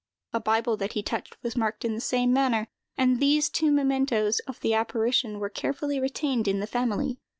A bible that he touched was marked in the same manner; and these two mementoes of the apparition were carefully retained in the family.